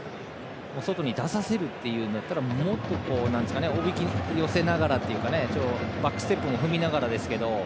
外に出させるのだったらもっとおびき寄せながらというかバックステップも踏みながら。